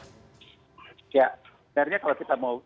ya sebenarnya kalau kita mau